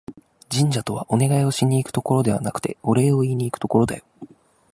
神社とは、お願いをしに行くところではなくて、お礼を言いにいくところだよ